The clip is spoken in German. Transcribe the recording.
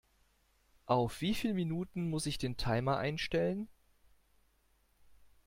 Auf wie viel Minuten muss ich den Timer einstellen?